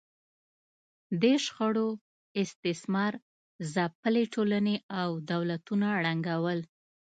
دې شخړو استثمار ځپلې ټولنې او دولتونه ړنګول